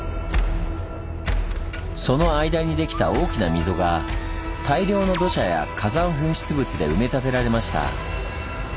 その間にできた大きな溝が大量の土砂や火山噴出物で埋め立てられました。